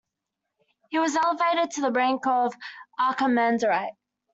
He was elevated to the rank of Archimandrite.